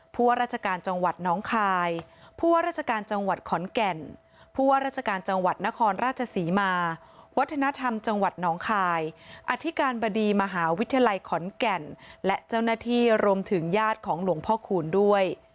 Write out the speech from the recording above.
ว่าราชการจังหวัดน้องคายผู้ว่าราชการจังหวัดขอนแก่นผู้ว่าราชการจังหวัดนครราชศรีมาวัฒนธรรมจังหวัดน้องคายอธิการบดีมหาวิทยาลัยขอนแก่นและเจ้าหน้าที่รวมถึงญาติของหลวงพ่อคูณด้วย